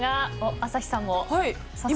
朝日さんも早速。